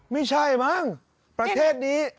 ไม่ใช่มั้งประเทศนี้